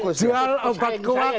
itu kan jual obat kuat